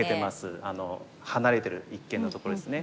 あの離れてる一間のところですね。